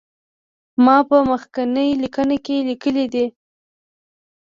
ما په مخکینی لیکنه کې لیکلي دي.